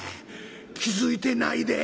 気付いてないで」。